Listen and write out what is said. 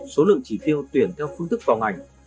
số lượng chỉ tiêu tuyển theo phương thức vào ngành